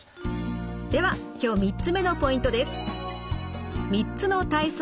では今日３つ目のポイントです。